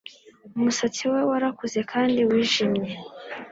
Umusatsi we warakuze kandi wijimye